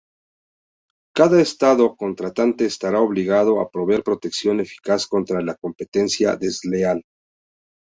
Cada estado contratante estará obligado a proveer protección eficaz contra la competencia desleal.